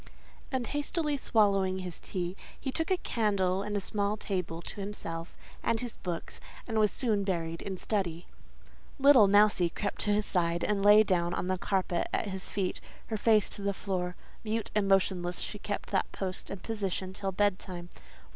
And hastily swallowing his tea, he took a candle and a small table to himself and his books, and was soon buried in study. "Little Mousie" crept to his side, and lay down on the carpet at his feet, her face to the floor; mute and motionless she kept that post and position till bed time.